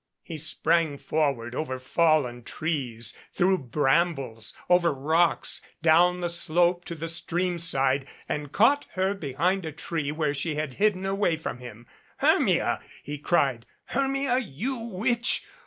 He sprang forward over fallen trees, through brambles, over rocks, down the slope to the streamside and caught her behind a tree where she had hidden away from him. 333 MADCAP "Hennia!" he cried. "Hermia, you witch!